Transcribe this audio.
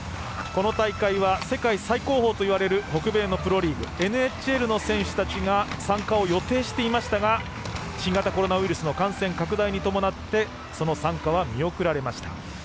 この大会は世界最高峰といわれる北米のプロリーグＮＨＬの選手たちが参加を予定していましたが新型コロナウイルスの感染拡大に伴ってその参加は見送られました。